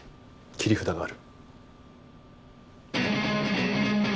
切り札がある。